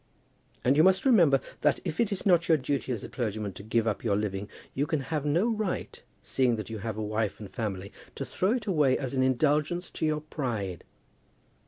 And you must remember that if it is not your duty as a clergyman to give up your living, you can have no right, seeing that you have a wife and family, to throw it away as an indulgence to your pride.